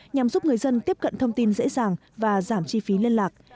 nhằm giúp người dân tiếp cận thông tin dễ dàng và giảm chi phí liên lạc